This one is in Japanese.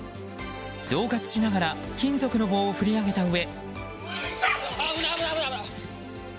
恫喝しながら金属の棒を振り上げたうえ。